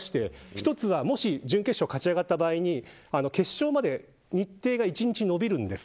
１つはもし準決勝を勝ち上がった場合に決勝まで日程が１日延びるんです。